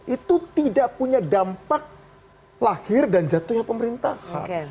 itu tidak punya dampak lahir dan jatuhnya pemerintahan